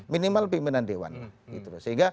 minimal pimpinan dewan lah